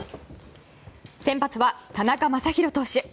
先発は田中将大投手。